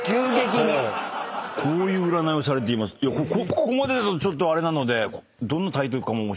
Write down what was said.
ここまでだとちょっとあれなので。